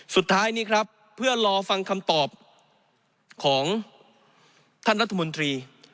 สุดท้ายนี้ครับเพื่อรอฟังคำตอบของท่านรัฐมนตรี